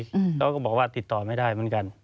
เขาก็บอกว่าติดต่อไม่ได้เหมือนกัน